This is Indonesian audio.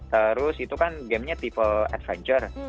terus itu kan gamenya tipe adventure